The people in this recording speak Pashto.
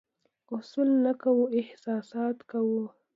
اصول نه کوو، احساسات کوو.